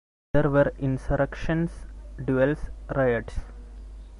There were insurrections, duels, riots.